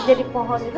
jadi pohon itu